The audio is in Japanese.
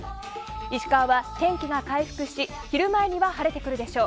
石川は天気が回復し昼前には晴れてくるでしょう。